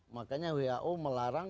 makanya who melarang tidak boleh ditempatkan